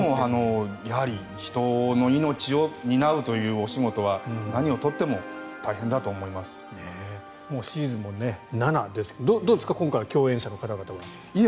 やはり人の命を担うというお仕事は何を取ってももうシーズンも７ですけどどうですか、今回は共演者の方々は。